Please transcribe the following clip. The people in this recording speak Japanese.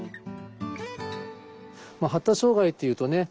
発達障害っていうとね